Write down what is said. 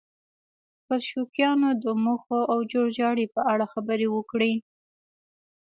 د بلشویکانو د موخو او جوړجاړي په اړه خبرې وکړي.